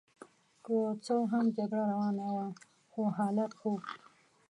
که څه هم جګړه روانه وه خو حالات ښه وو.